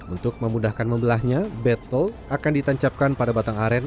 untuk memudahkan membelahnya beto akan ditancapkan pada batang aren